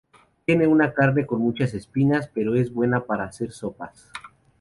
Tiene una carne con muchas espinas pero es buena para hacer sopas.